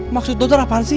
maksud dokter apaan sih